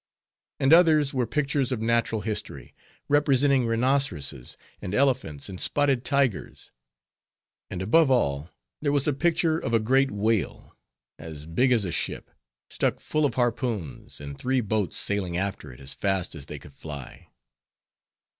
And others were pictures of natural history, representing rhinoceroses and elephants and spotted tigers; and above all there was a picture of a great whale, as big as a ship, stuck full of harpoons, and three boats sailing after it as fast as they could fly.